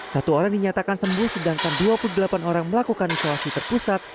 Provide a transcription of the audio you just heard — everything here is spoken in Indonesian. satu orang dinyatakan sembuh sedangkan dua puluh delapan orang melakukan isolasi terpusat